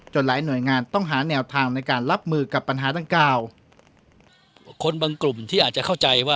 จนหลายหน่วยงานต้องหาแนวทางในการรับมือกับปัญหาตั้งกล่าว